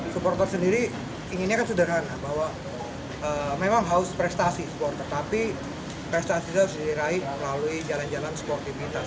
supporter sendiri inginnya kan sederhana bahwa memang haus prestasi supporter tapi prestasi itu harus diraih melalui jalan jalan sportivitas